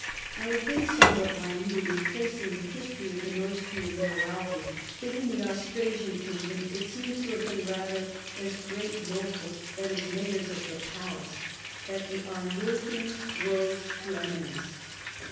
I have been somewhat minute in tracing the history of the Neustrian Mayoralty, but in the Austrasian kingdom it seems to have been rather as 2:reat nobles than as Mayors of the Palace that the Arnulf ings rose to eminence.